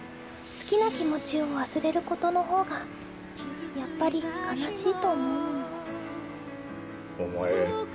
好きな気持ちを忘れる事の方がやっぱり悲しいと思うもの。